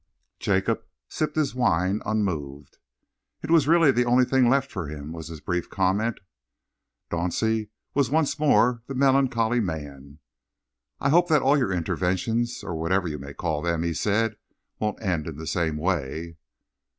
Jacob sipped his wine, unmoved. "It was really the only thing left for him," was his brief comment. Dauncey was once more the melancholy man. "I hope that all your interventions, or whatever you may call them," he said, "won't end in the same way."